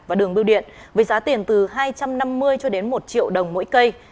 và đường biêu điện với giá tiền từ hai trăm năm mươi cho đến một triệu đồng mỗi cây